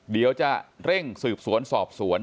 เดี๋ยวจะเร่งสืบสวนสอบสวน